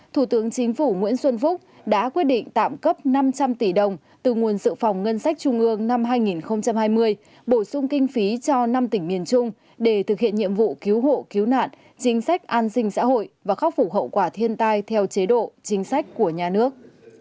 thủ tướng chính phủ nguyễn xuân phúc đã quyết định tạm cấp năm trăm linh tỷ đồng từ nguồn sự phòng ngân sách trung ương năm hai nghìn hai mươi bổ sung kinh phí cho năm tỉnh miền trung để thực hiện nhiệm vụ cứu hộ cứu nạn chính sách an sinh xã hội và khắc phục hậu quả thiên tai theo chế độ chính sách của nhà nước